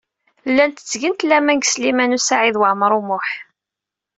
Llant ttgent laman deg Sliman U Saɛid Waɛmaṛ U Muḥ.